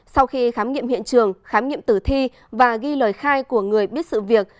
sau khi khám nghiệm hiện trường khám nghiệm tử thi và ghi lời khai của người biết sự việc